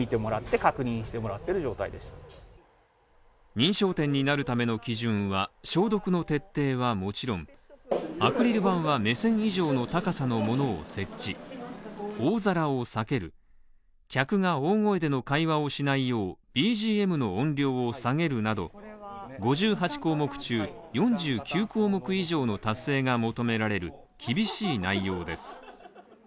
認証店になるための基準は消毒の徹底はもちろん、アクリル板は目線以上の高さのものを設置大皿を避ける客が大声での会話をしないよう、ＢＧＭの音量を下げるなど、これは５８項目中４９項目以上の達成が求められる厳しい内容です。